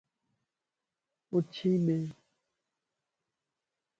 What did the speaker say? اُڇي بي